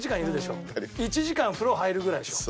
１時間風呂入るぐらいでしょ？